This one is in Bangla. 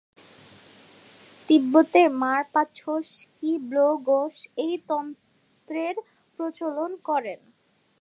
তিব্বতে মার-পা-ছোস-ক্যি-ব্লো-গ্রোস এই তন্ত্রের প্রচলন করেন।